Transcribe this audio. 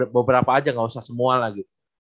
beberapa aja gak usah semua lah gitu